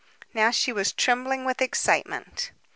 Now she was trembling with excitement.